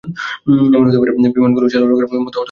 এমন হতে পারে বিমানগুলো চালু রাখার মতো অর্থ তাঁদের কাছে নেই।